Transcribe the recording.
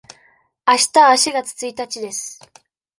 あしたは四月一日です。